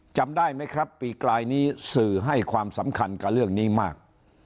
จำได้ไหมครับปีกลายนี้สื่อให้ความสำคัญกับเรื่องนี้มาก